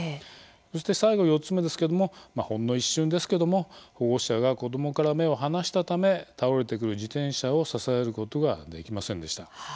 そして最後４つ目ですけどもまあほんの一瞬ですけども保護者が子供から目を離したため倒れてくる自転車を支えることができませんでした。